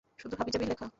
শুধু হাবিজাবি লেখা।